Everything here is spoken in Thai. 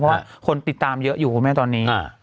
เพราะว่าคนติดตามเยอะอยู่คุณแม่ตอนนี้